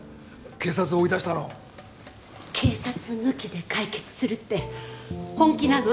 警察を追い出したの警察抜きで解決するって本気なの！？